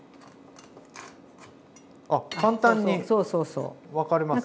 あっ簡単に分かれますね。